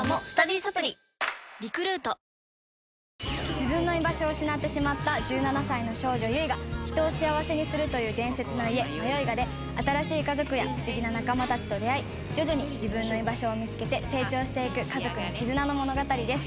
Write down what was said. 自分の居場所を失った１７歳の少女ユイが人を幸せにするという伝説の家マヨイガで新しい家族や不思議な仲間たちと出会い徐々に自分の居場所を見つけて成長して行く家族の絆の物語です。